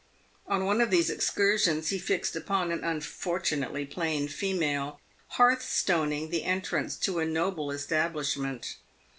On one of these excursions he fixed upon an unfortunately plain female hearth stoning the entrance to a noble establishment.